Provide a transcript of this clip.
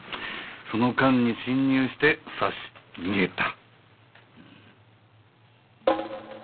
その間に侵入して刺して逃げた。